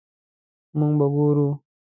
مونږ به ګورو